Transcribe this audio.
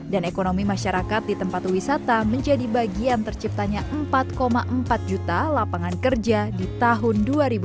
dan ekonomi masyarakat di tempat wisata menjadi bagian terciptanya empat empat juta lapangan kerja di tahun dua ribu dua puluh empat